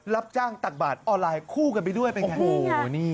รับจ้างตักบาทออนไลน์คู่กันไปด้วยเป็นไง